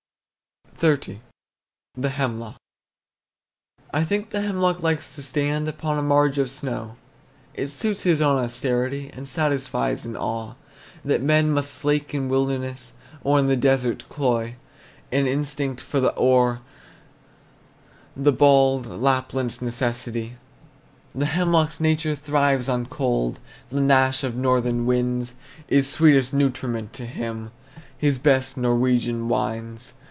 XXX. THE HEMLOCK. I think the hemlock likes to stand Upon a marge of snow; It suits his own austerity, And satisfies an awe That men must slake in wilderness, Or in the desert cloy, An instinct for the hoar, the bald, Lapland's necessity. The hemlock's nature thrives on cold; The gnash of northern winds Is sweetest nutriment to him, His best Norwegian wines.